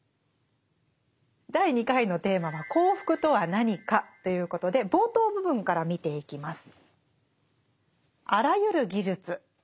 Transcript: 第２回のテーマは「幸福とは何か」ということで冒頭部分から見ていきます。